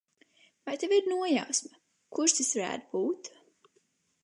Vai tev ir nojausma, kurš tas varētu būt?